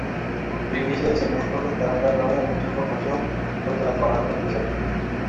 Primicias y segmentos que estarán cargados de mucha información, porque la farándula empieza aquí.